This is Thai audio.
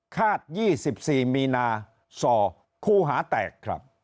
๒๔มีนาส่อคู่หาแตกครับ